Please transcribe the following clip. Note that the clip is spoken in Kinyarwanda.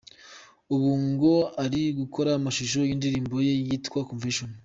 Ubu ngo ari gukora amashusho y’indirimbo ye yitwa “Convention”.